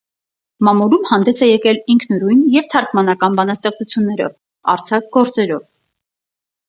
Մամուլում հանդես է եկել ինքնուրույն և թարգմանական բանաստեղծություններով, արձակ գործերով։